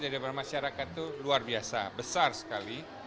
dari para masyarakat itu luar biasa besar sekali